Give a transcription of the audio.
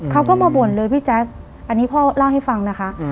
เขาก็มาบ่นเลยพี่แจ๊คอันนี้พ่อเล่าให้ฟังนะคะ